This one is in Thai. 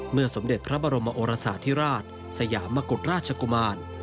สมเด็จพระบรมโอรสาธิราชสยามมกุฎราชกุมาร